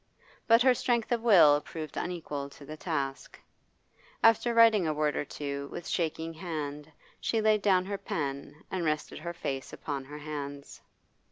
But her strength of will proved unequal to the task; after writing a word or two with shaking hand she laid down her pen and rested her face upon her hands.